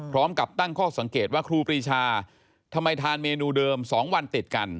พร้อมกับตั้งข้อสังเกตว่าครูปรีชาทำไมทานเมนูเดิม๒วันติดกัน